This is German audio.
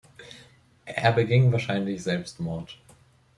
Er beging wahrscheinlich Selbstmord.